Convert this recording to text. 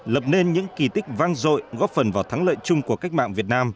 lập nên những kỳ tích vang dội góp phần vào thắng lợi chung của cách mạng việt nam